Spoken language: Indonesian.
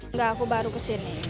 enggak aku baru kesini